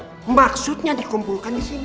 ada pun maksudnya dikumpulkan disini